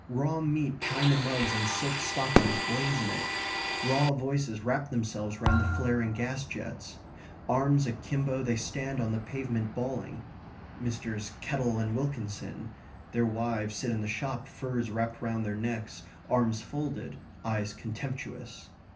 Raw meat, china mugs, and silk stockings blaze in it. Raw voices wrap themselves round the flaring gas jets. Arms akimbo, they stand on the pavement bawling Messrs. Kettle and Wilkinson; their wives sit in the shop, furs wrapped round their necks, arms folded, eyes contemptuous.